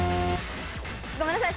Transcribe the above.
ごめんなさい。